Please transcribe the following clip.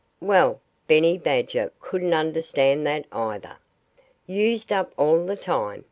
Well, Benny Badger couldn't understand that either. "Used up all the time!"